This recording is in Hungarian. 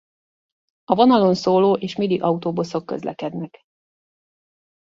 A vonalon szóló és midi autóbuszok közlekednek.